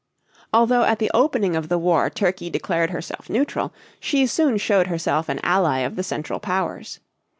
Although at the opening of the war Turkey declared herself neutral, she soon showed herself an ally of the Central Powers.